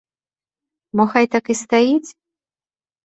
Мо хай так і стаіць?